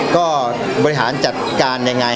ก็บริหารจัดการยังไง